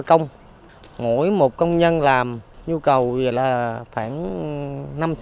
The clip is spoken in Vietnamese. có một công an được làm